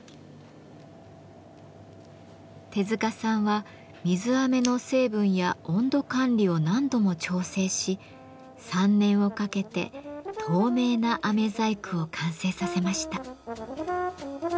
手塚さんは水飴の成分や温度管理を何度も調整し３年をかけて透明な飴細工を完成させました。